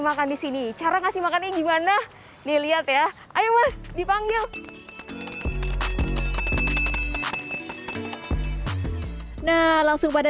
makan di sini cara ngasih makannya gimana nih lihat ya ayo mas dipanggil nah langsung pada